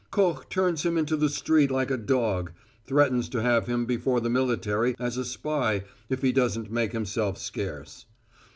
Koch turns him into the street like a dog; threatens to have him before the military as a spy if he doesn't make himself scarce.